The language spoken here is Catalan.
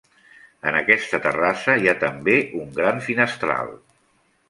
En aquesta terrassa hi ha també un gran finestral.